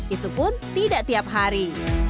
itu pun tidak tiap hari